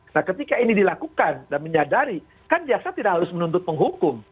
nah ketika ini dilakukan dan menyadari kan jaksa tidak harus menuntut penghukum